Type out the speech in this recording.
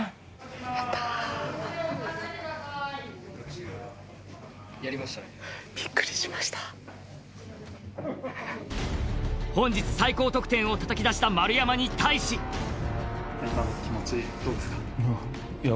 やったーやりましたねびっくりしました本日最高得点をたたき出した丸山に対し今の気持ちどうですか？